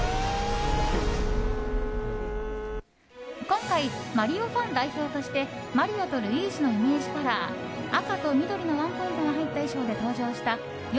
今回「マリオ」ファン代表としてマリオとルイージのイメージカラー赤と緑のワンポイントが入った衣装で登場したよ